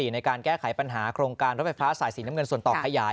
ในการแก้ไขปัญหาโครงการรถไฟฟ้าสายสีน้ำเงินส่วนต่อขยาย